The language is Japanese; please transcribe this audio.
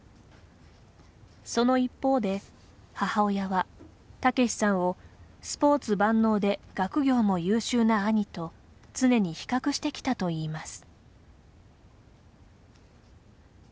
その一方で、母親はタケシさんをスポーツ万能で学業も優秀な兄と常に比較してきたといいます。